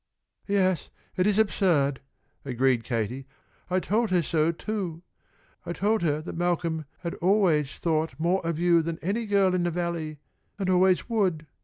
"Yes, it is absurd," agreed Katie. "I told her so too. I told her that Malcolm always had thought more of you than any girl in the Valley, and always would.